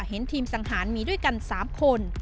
เห็นทีมสังหารมีด้วยกัน๓คน